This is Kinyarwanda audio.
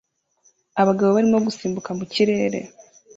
Abagabo barimo gusimbuka mu kirere